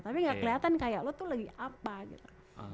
tapi gak keliatan kayak lo tuh lagi apa gitu